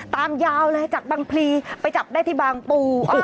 ตามยาวเลยจากบางภีร์ไปจับได้ที่บางปูอ้าว